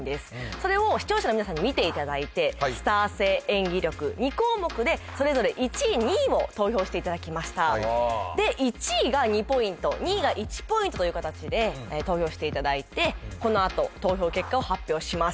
それを視聴者の皆さんに見ていただいてスター性演技力２項目でそれぞれ１位２位を投票していただきましたで１位が２ポイント２位が１ポイントという形で投票していただいてこのあと投票結果を発表します